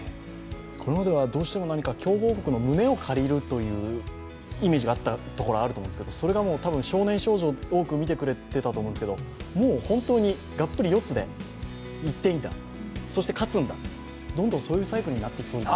これまではどうしても強豪国の胸を借りるというイメージがあったと思うんですけどそれが少年少女、多く見てくれてたと思うんですけどもう本当にがっぷり四つでいっていた、そして勝つんだ、どんどんそういうサイクルになっていくんだと。